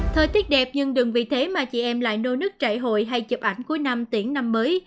thời tiết đẹp nhưng đừng vì thế mà chị em lại nô nức chạy hội hay chụp ảnh cuối năm tiễn năm mới